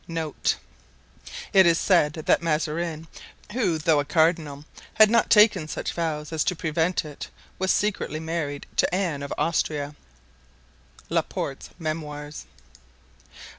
* It is said that Mazarin, who, though a cardinal, had not taken such vows as to prevent it, was secretly married to Anne of Austria.—La Porte's Memoirs.